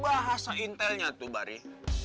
bahasa intelnya tuh bari